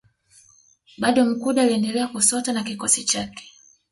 Bado Mkude aliendelea kusota na kikosi chake